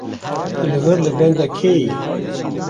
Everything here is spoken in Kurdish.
Tu li vir li benda kê yî?